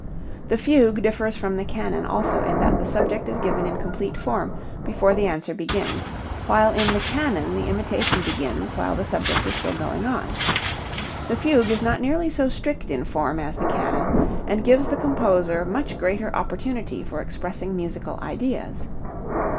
The fugue differs from the canon also in that the subject is given in complete form before the answer begins, while in the canon the imitation begins while the subject is still going on. The fugue is not nearly so strict in form as the canon and gives the composer much greater opportunity for expressing musical ideas.